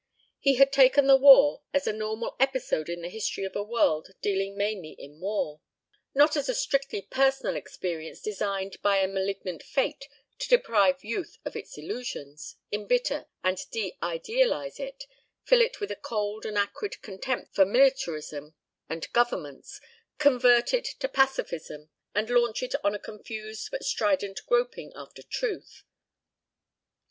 He had taken the war as a normal episode in the history of a world dealing mainly in war; not as a strictly personal experience designed by a malignant fate to deprive youth of its illusions, embitter and deidealize it, fill it with a cold and acrid contempt for militarism and governments, convert it to pacificism, and launch it on a confused but strident groping after Truth.